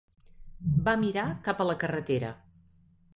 Va mirar cap a la carretera.